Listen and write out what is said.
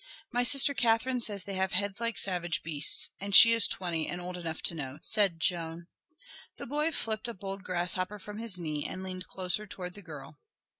"My sister Catherine says they have heads like savage beasts; and she is twenty and old enough to know," said Joan. The boy flipped a bold grasshopper from his knee and leaned closer towards the girl.